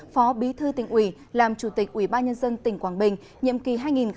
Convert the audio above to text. phó bí thư tỉnh ủy làm chủ tịch ủy ban nhân dân tỉnh quảng bình nhiệm kỳ hai nghìn một mươi sáu hai nghìn hai mươi một